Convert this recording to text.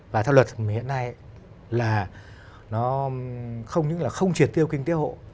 và theo luật hiện nay là nó không những là không triệt tiêu kinh tế hộ